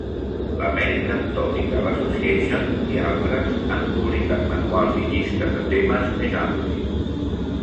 L'American Topical Association i altres han publicat manuals i llistes de temes més amplis.